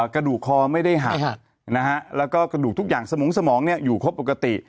กระดูกคอไม่ได้หักนะฮะแล้วก็กระดูกทุกอย่างสมองสมองอยู่ครบปกติ